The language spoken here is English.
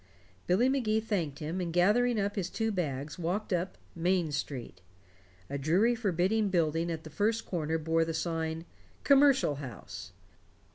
Billy Magee thanked him, and gathering up his two bags, walked up "Main Street." A dreary forbidding building at the first corner bore the sign "Commercial House".